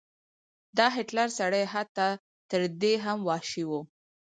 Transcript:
دا هټلر سړی حتی تر دې هم وحشي و.